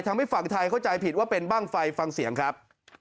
ทำให้ฝั่งไทยเข้าใจผิดว่าเป็นบ้างไฟฟังเสียงครับ